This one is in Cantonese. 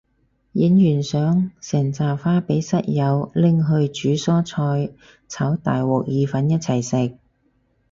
影完相成紮花俾室友拎去煮蔬菜炒大鑊意粉一齊食